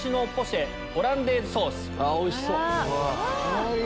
おいしそう！